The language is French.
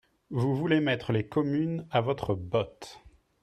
Vous voulez mettre les communes à votre botte.